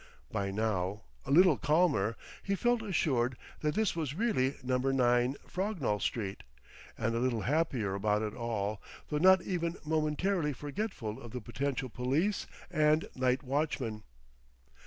By now a little calmer, he felt assured that this was really Number 9, Frognall Street, and a little happier about it all, though not even momentarily forgetful of the potential police and night watchman.